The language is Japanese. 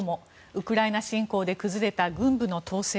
ウクライナ侵攻で崩れた軍部の統制。